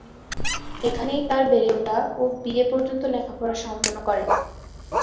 এখানেই তার বেড়ে ওঠা ও বিএ পর্যন্ত লেখাপড়া সম্পন্ন করেন।